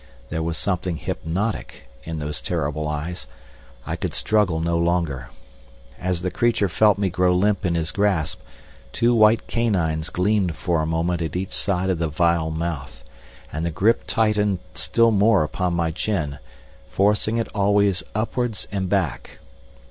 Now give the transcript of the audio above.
There was something hypnotic in those terrible eyes. I could struggle no longer. As the creature felt me grow limp in his grasp, two white canines gleamed for a moment at each side of the vile mouth, and the grip tightened still more upon my chin, forcing it always upwards and back.